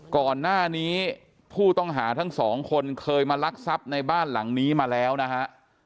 ก่อนหน้านี้ผู้ต้องหาทั้งสองคนเคยมาลักทรัพย์ในบ้านหลังนี้มาแล้วนะฮะ